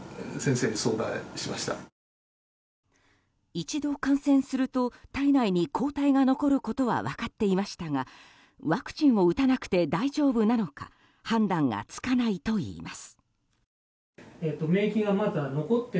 一度感染すると体内に抗体が残ることは分かっていましたがワクチンを打たなくて大丈夫なのか判断がつかないといいます。